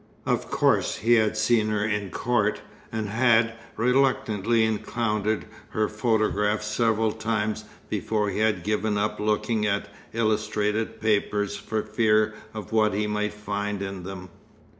Of course, he had seen her in court, and had reluctantly encountered her photograph several times before he had given up looking at illustrated papers for fear of what he might find in them.